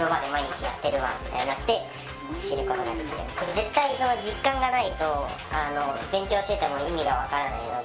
絶対実感がないと勉強してても意味が分からないので。